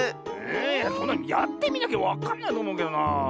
えそんなのやってみなきゃわかんないとおもうけどなあ。